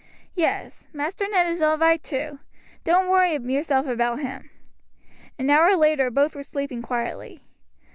Yes; Master Ned is all right too. Don't worry yourself about him." An hour later both were sleeping quietly.